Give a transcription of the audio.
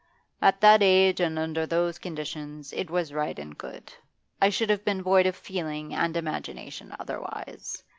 'At that age and under those conditions it was right and good. I should have been void of feeling and imagination otherwise.